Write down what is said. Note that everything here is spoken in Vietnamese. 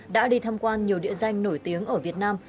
đã đi thăm quan nhiều địa danh nổi tiếng ở việt nam